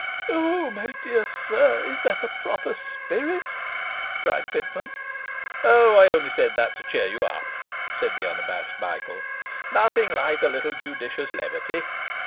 'O my dear sir, is that a proper spirit?' cried Pitman. 'O, I only said that to cheer you up,' said the unabashed Michael. 'Nothing like a little judicious levity.